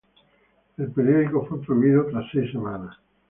El periódico fue prohibido tras seis semanas.